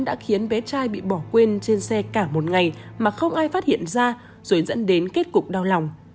đã khiến bé trai bị bỏ quên trên xe cả một ngày mà không ai phát hiện ra rồi dẫn đến kết cục đau lòng